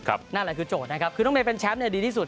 นั่นแหละคือโจทย์นะครับคือน้องเมย์เป็นแชมป์ดีที่สุด